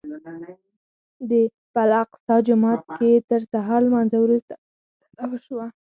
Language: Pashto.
په الاقصی جومات کې تر سهار لمانځه وروسته فیصله وشوه.